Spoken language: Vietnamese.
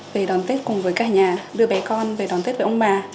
về đón tết cùng với cả nhà đưa bé con về đón tết với ông bà